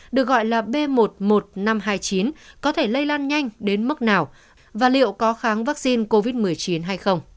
được gọi là b một mươi một nghìn năm trăm hai mươi chín có thể lây lan nhanh đến mức nào và liệu có kháng vaccine covid một mươi chín hay không